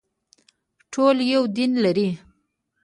ټول یو دین لري